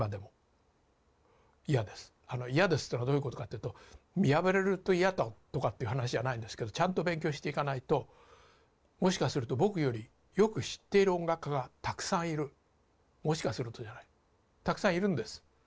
嫌ですっていうのはどういうことかっていうと見破られると嫌だとかっていう話じゃないんですけどちゃんと勉強していかないともしかすると僕よりよく知っている音楽家がたくさんいるもしかするとじゃないたくさんいるんです。